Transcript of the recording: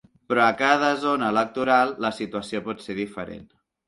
Però a cada zona electoral la situació pot ser diferent.